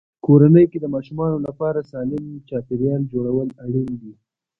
کورنۍ کې د ماشومانو لپاره سالم چاپېریال جوړول اړین دي.